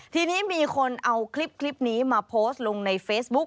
ทีนี้มีคนเอาคลิปนี้มาโพสต์ลงในเฟซบุ๊ค